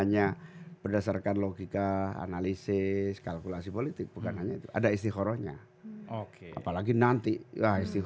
ya udah disimpulkan ini